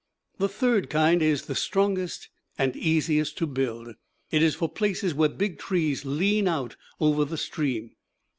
The third kind is the strongest and easiest to build. It is for places where big trees lean out over the stream.